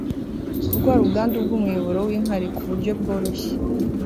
kurwara ubwandu bw'umuyoboro w'inkari ku buryo bworoshye